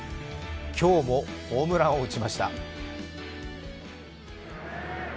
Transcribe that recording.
今日もホームランを打ちました。